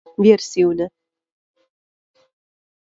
Viersyune.